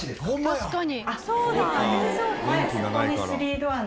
確かに。